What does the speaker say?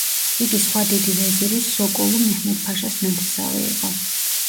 იგი სხვა დიდი ვეზირის, სოკოლუ მეჰმედ-ფაშას ნათესავი იყო.